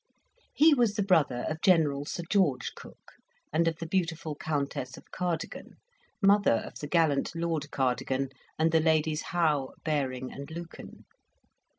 He was the brother of General Sir George Cooke and of the beautiful Countess of Cardigan, mother of the gallant Lord Cardigan, and the Ladies Howe, Baring, and Lucan.